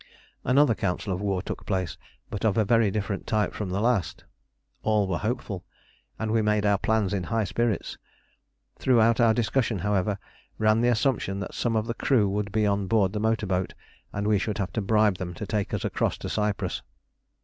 Another council of war took place, but of a very different type from the last. All were hopeful, and we made our plans in high spirits. Throughout our discussion, however, ran the assumption that some of the crew would be on board the motor boat, and we should have to bribe them to take us across to Cyprus.